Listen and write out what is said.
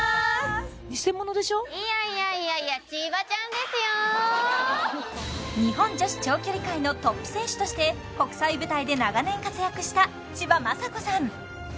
いやいやいやいや日本女子長距離界のトップ選手として国際舞台で長年活躍した千葉真子さん